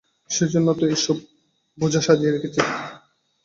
সেইজন্যেই তো এই-সব বোঝা সাজিয়ে রেখেছি।